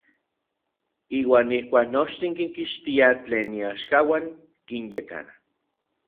Iuan ijkuak nochtin kinkixtia tlen iaxkauan, kinyekana.